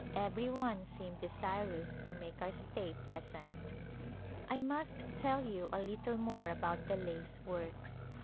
Every one seemed desirous to make our stay pleasant. I must tell you a little more about the lace works.